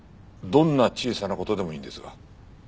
どんな小さな事でもいいんですが。